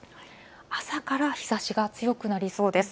朝から日ざしが強くなりそうです。